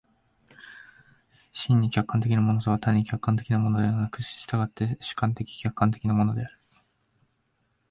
真に客観的なものとは単に客観的なものでなく、却って主観的・客観的なものである。